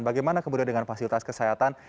bagaimana kemudian dengan fasilitas kesehatan